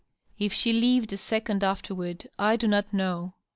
If she lived a second aflerward I do not know.